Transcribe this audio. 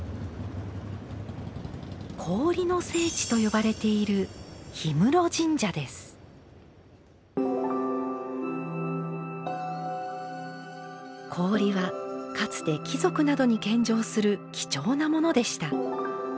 氷の聖地と呼ばれている氷はかつて貴族などに献上する貴重なものでした。